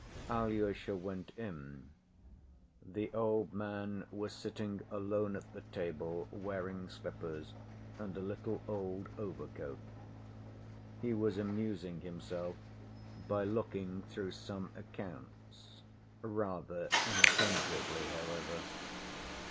Alyosha went in. The old man was sitting alone at the table wearing slippers and a little old overcoat. He was amusing himself by looking through some accounts, rather inattentively however.